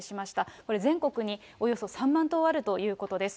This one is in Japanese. これ、全国におよそ３万棟あるということです。